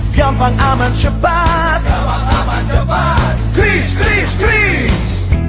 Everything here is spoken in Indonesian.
gampang aman cepat kris kris kris